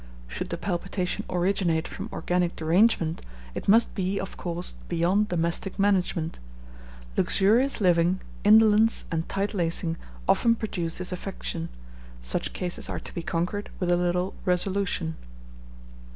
Should the palpitation originate from organic derangement, it must be, of course, beyond domestic management. Luxurious living, indolence, and tight lacing often produce this affection: such cases are to be conquered with a little resolution.